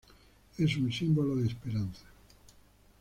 Es un símbolo de esperanza.